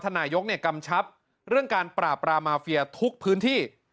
นายกกำชับเรื่องการปราบรามาเฟียทุกพื้นที่